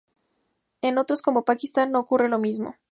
En otros, como Pakistán, no ocurre lo mismo.